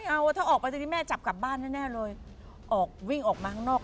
เอาถ้าออกไปทีนี้แม่จับกลับบ้านแน่เลยออกวิ่งออกมาข้างนอก